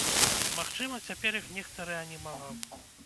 Магчыма, цяпер іх нехта рэанімаваў.